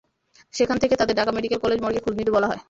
সেখান থেকে তাঁদের ঢাকা মেডিকেল কলেজ মর্গে খোঁজ নিতে বলা হয়।